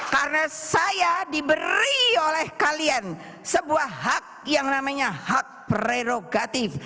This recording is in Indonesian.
karena saya diberi oleh kalian sebuah hak yang namanya hak prerogatif